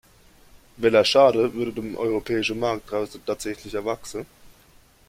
Welcher Schaden würde dem europäischen Markt daraus denn tatsächlich erwachsen?